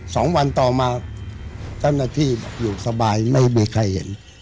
สองวันต่อมาเจ้าหน้าที่อยู่สบายไม่มีใครเห็น